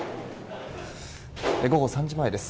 午後３時前です。